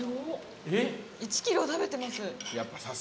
１ｋｇ食べてます。